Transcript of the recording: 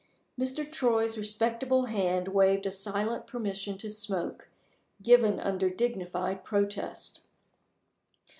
Mr. Troy's respectable hand waved a silent permission to smoke, given under dignified protest.